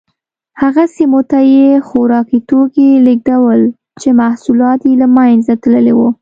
هغه سیمو ته یې خوراکي توکي لېږدول چې محصولات یې له منځه تللي وو